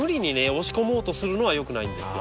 押し込もうとするのはよくないんですよ。